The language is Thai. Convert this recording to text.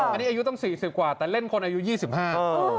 อันนี้อายุตั้งสี่สิบกว่าแต่เล่นคนอายุยี่สิบห้า